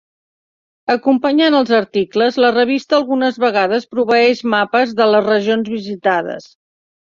Acompanyant els articles, la revista algunes vegades proveeix mapes de les regions visitades.